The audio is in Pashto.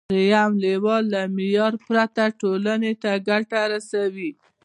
دریم لیول له معیار پرته ټولنې ته ګټه رسوي.